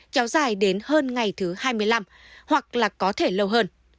kéo dài đến hơn ngày thứ hai mươi năm hoặc là có thể lâu hơn